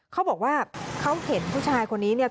เขาบอกว่าเขาเห็นผู้ชายคนนี้เนี่ย